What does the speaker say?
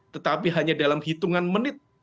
tetapi hanya dalam hitungan menit